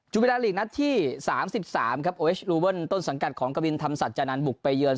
จุภินาศาสตร์หลีกนัดที่๓๓ครับโอเอชลูเวิลต้นสังกัดของกวินธรรมสัจจานันต์บุกไปเยือน